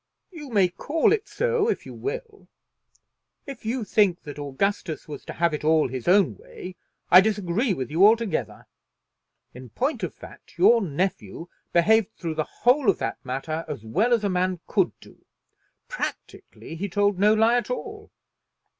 "You may call it so if you will. If you think that Augustus was to have it all his own way, I disagree with you altogether. In point of fact, your nephew behaved through the whole of that matter as well as a man could do. Practically, he told no lie at all.